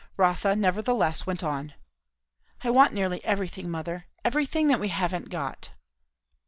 Rotha, nevertheless went on. "I want nearly everything, mother! everything that we haven't got."